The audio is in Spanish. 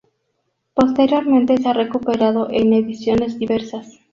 Posteriormente se ha recuperado en ediciones diversas.